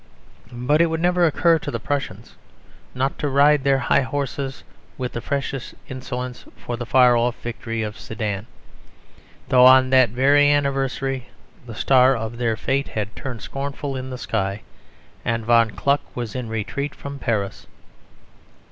But it would never occur to the Prussians not to ride their high horses with the freshest insolence for the far off victory of Sedan; though on that very anniversary the star of their fate had turned scornful in the sky, and Von Kluck was in retreat from Paris.